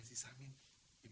ini dia uangnya